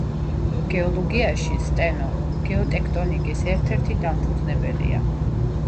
გეოლოგიაში სტენო გეოტექტონიკის ერთ-ერთ ფუძემდებელია.